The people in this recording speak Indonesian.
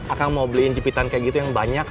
akan mau beliin jepitan kayak gitu yang banyak